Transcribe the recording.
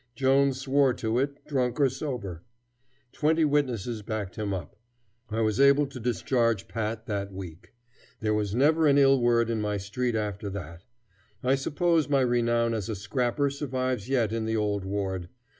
Jones swore to it, drunk or sober. Twenty witnesses backed him up. I was able to discharge Pat that week. There was never an ill word in my street after that. I suppose my renown as a scrapper survives yet in the old ward.